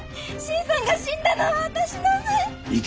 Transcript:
新さんが死んだのは私のせい。